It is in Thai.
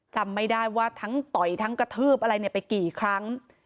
จำไม่ได้ว่าทั้งต่อยทั้งกระทืบอะไรเนี่ยไปกี่ครั้ง